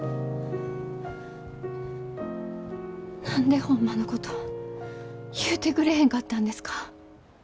何でホンマのこと言うてくれへんかったんですか？